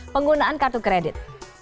penggunaan kartu kredit